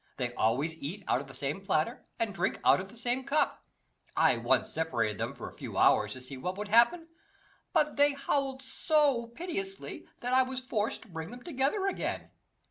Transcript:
They always eat out of the same platter, and drink out of the same cup. I once separated them for a few hours to see what would happen, but they howled so piteously, that I was forced to bring them together again.